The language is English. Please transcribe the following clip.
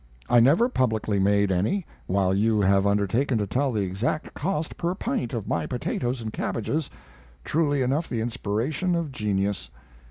I never publicly made any, while you have undertaken to tell the exact cost per pint of my potatoes and cabbages, truly enough the inspiration of genius.